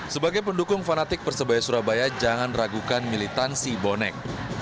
sebagai pendukung fanatik persebaya surabaya jangan ragukan militansi bonek